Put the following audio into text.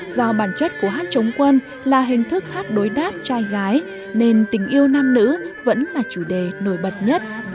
do bản chất của hát chống quân là hình thức hát đối đáp trai gái nên tình yêu nam nữ vẫn là chủ đề nổi bật nhất